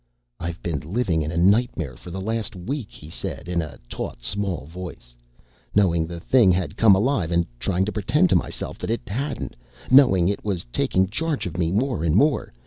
"I've been living in a nightmare for the last week," he said in a taut small voice, "knowing the thing had come alive and trying to pretend to myself that it hadn't. Knowing it was taking charge of me more and more.